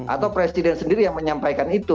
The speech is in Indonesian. atau presiden sendiri yang menyampaikan itu